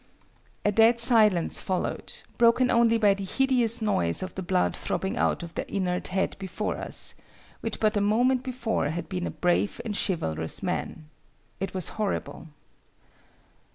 "A dead silence followed, broken only by the hideous noise of the blood throbbing out of the inert head before us, which but a moment before had been a brave and chivalrous man. It was horrible.